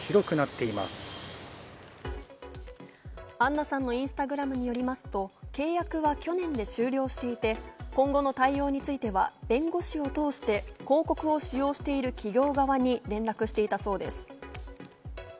アンナさんのインスタグラムによりますと、契約は去年で終了していて今後の対応については弁護士を通して広告を使用している企業側に連絡していたそうです。